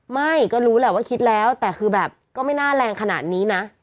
ไม่ก็รู้แหละว่าคิดแล้วแต่คือแบบก็ไม่น่าแรงขนาดนี้นะ